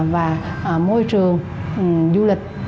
và môi trường du lịch